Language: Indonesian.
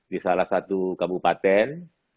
di salah satu kabupaten